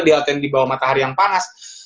di atau yang di bawah matahari yang panas